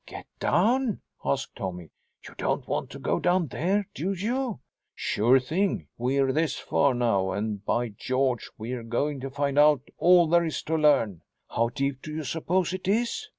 "Get down?" asked Tommy. "You don't want to go down there, do you?" "Sure thing. We're this far now and, by George, we're going to find out all there is to learn." "How deep do you suppose it is?"